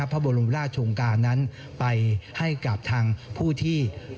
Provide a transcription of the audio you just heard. พระบรมราชงการนั้นไปให้กับทางผู้ที่